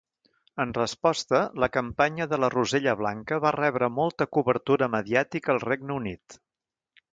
En resposta, la campanya de la rosella blanca va rebre molta cobertura mediàtica al Regne Unit.